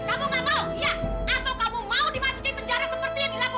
aku juga pilih tante pesawatnya itu